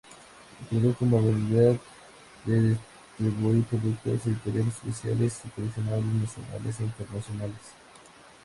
Introdujo la modalidad de distribuir productos editoriales especiales y coleccionables nacionales e internacionales.